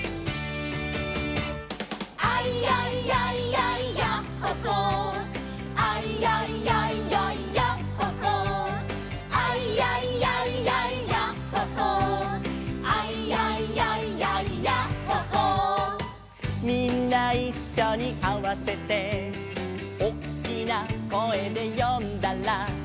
「アイヤイヤイヤイヤッホ・ホー」「アイヤイヤイヤイヤッホ・ホー」「アイヤイヤイヤイヤッホ・ホー」「アイヤイヤイヤイヤッホ・ホー」「みんないっしょにあわせて」「おっきな声で呼んだら」